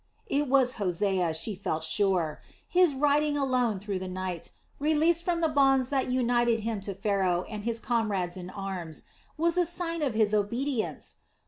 It was Hosea, she felt sure. His riding alone through the night, released from the bonds that united him to Pharaoh and his comrades in arms, was a sign of his obedience!